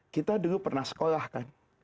kita dulu pernah sekolah kan